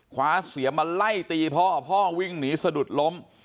คว้าเสียมมาไล่ตีพ่อพ่อวิ่งหนีสะดุดล้ม